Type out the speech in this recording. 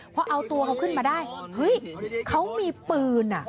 พอเอาตัวเขาขึ้นมาได้เฮ้ยเขามีปืน